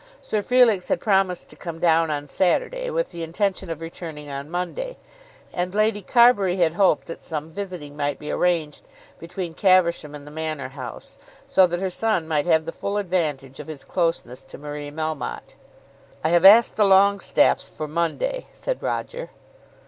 Sir Felix had promised to come down on Saturday, with the intention of returning on Monday, and Lady Carbury had hoped that some visiting might be arranged between Caversham and the Manor House, so that her son might have the full advantage of his closeness to Marie Melmotte. "I have asked the Longestaffes for Monday," said Roger.